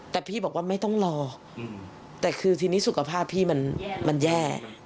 แต่พี่บอกว่าไม่ต้องรอแต่คือทีนี้สุขภาพพี่มันแย่